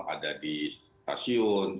ada di stasiun